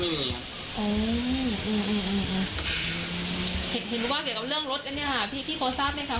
เห็นเห็นว่าเกี่ยวกับเรื่องรถกันเนี่ยค่ะพี่พี่เขาทราบไหมค่ะ